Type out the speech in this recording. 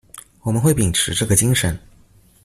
我們會秉持這個精神